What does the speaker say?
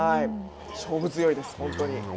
勝負強いです、本当に。